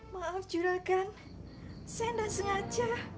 maaf juragan saya tidak sengaja